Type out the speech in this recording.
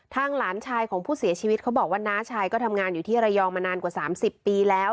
หลานชายของผู้เสียชีวิตเขาบอกว่าน้าชายก็ทำงานอยู่ที่ระยองมานานกว่า๓๐ปีแล้ว